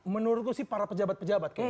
menurutku sih para pejabat pejabat kayak gini